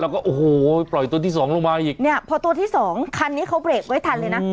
แล้วก็โอ้โหปล่อยตัวที่สองลงมาอีกเนี่ยพอตัวที่สองคันนี้เขาเบรกไว้ทันเลยนะ